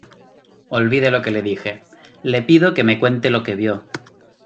olvide lo que le dije. le pido que me cuente lo que vio